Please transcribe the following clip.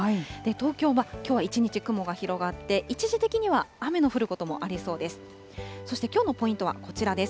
東京はきょうは一日雲が広がって、一時的には雨の降ることもありそうです。